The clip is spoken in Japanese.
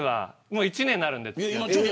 もう１年になるので。